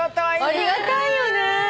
ありがたいよね！